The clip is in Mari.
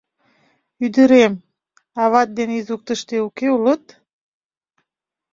Ӱдырем, ават ден Ивук тыште уке улыт...